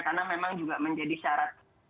karena memang juga menjadi syarat